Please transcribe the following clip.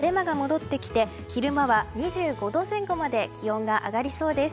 金曜日と土曜日は晴れ間が戻ってきて昼間は２５度前後まで気温が上がりそうです。